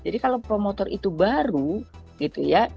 jadi kalau promotor itu baru gitu ya